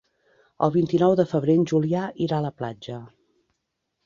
El vint-i-nou de febrer en Julià irà a la platja.